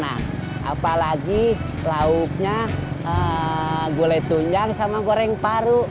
tapi enak apalagi lauknya gole tunjang sama goreng paru